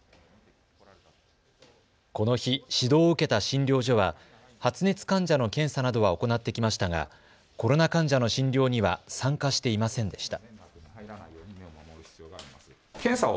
この日、指導を受けた診療所は発熱患者の検査などは行ってきましたがコロナ患者の診療には参加していませんでした。